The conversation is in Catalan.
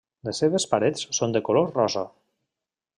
Les seves parets són de color rosa.